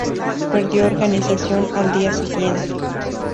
Perdió organización al día siguiente.